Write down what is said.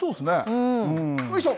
よいしょ。